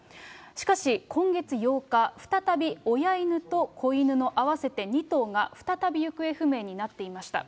しかし今月８日、再び親犬と子犬の合わせて２頭が再び行方不明になっていました。